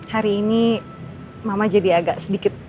hari ini mama jadi agak sedikit